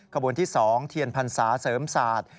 ขบวนที่๒เทียนพรรษาเสริมศาสตร์